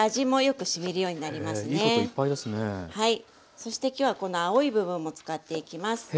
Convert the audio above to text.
そして今日はこの青い部分も使っていきます。